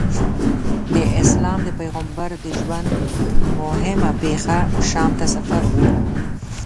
د اسلام د پیغمبر د ژوند موهمه پېښه شام ته سفر و.